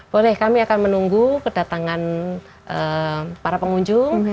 boleh kami akan menunggu kedatangan para pengunjung